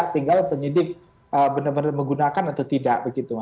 tinggal penyidik benar benar menggunakan atau tidak begitu